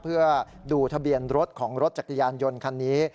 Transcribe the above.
เพื่อดูทะเบียนรถของรถจักรยานยนต์คันนี้